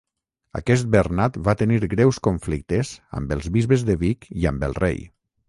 Aquest Bernat va tenir greus conflictes amb els bisbes de Vic i amb el rei.